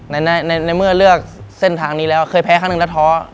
ในเมื่อเลือกเส้นทางนี้แล้วเคยแพ้ครั้งหนึ่งแล้วท้อ